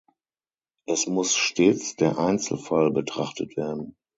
Es muss stets der Einzelfall betrachtet werden.